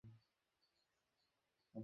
আমি তোমাকে চিঠিগুলো লিখিনি।